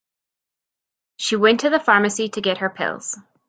She went to the pharmacy to get her pills.